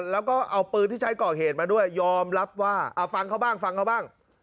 แล้วก็เอาปืนที่ใช้ก่อเหตุมาด้วยยอมรับว่าเอาฟังเขาบ้างฟังเขาบ้าง